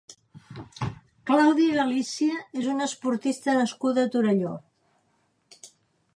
Clàudia Galicia és una esportista nascuda a Torelló.